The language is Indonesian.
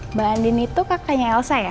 mbak andin itu kakaknya elsa ya